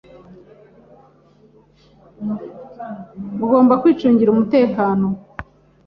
Mugomba kwicungira ’umutekano